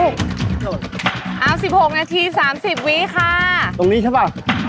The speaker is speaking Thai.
เอาสิบหกนาทีสามสิบวินิติค่ะตรงนี้ใช่ป่ะ